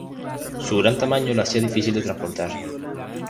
Su gran tamaño lo hacía difícil de transportar.